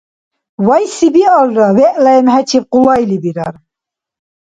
Вайси биалра, вегӀла эмхӀечиб къулайли бирар.